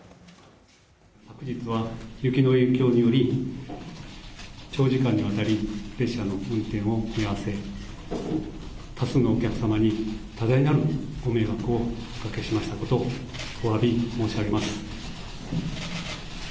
昨日は雪の影響により、長時間にわたり列車の運転を見合わせ、多数のお客様に多大なるご迷惑をおかけしましたことを、おわび申し上げます。